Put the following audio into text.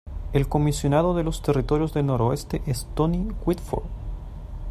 El comisionado de los Territorios del Noroeste es Tony Whitford.